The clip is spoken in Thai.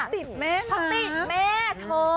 เขาติดแม่เธอ